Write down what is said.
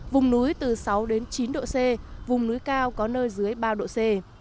vùng núi từ sáu đến chín độ c vùng núi cao có nơi dưới ba độ c